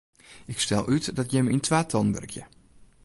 Ik stel út dat jimme yn twatallen wurkje.